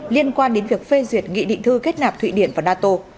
liên quan đến việc phê duyệt nghị định thư kết nạp thụy điển và nato